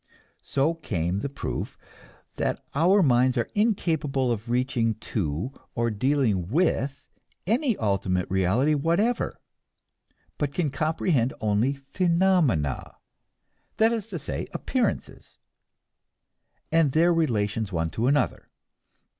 So came the proof that our minds are incapable of reaching to or dealing with any ultimate reality whatever, but can comprehend only phenomena that is to say, appearances and their relations one with another.